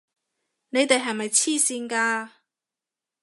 你哋係咪癡線㗎！